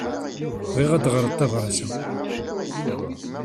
Bɣiɣ ad teɣṛeḍ tabrat-a.